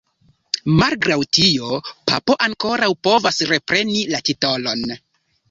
Malgraŭ tio, Papo ankoraŭ povas repreni la titolon.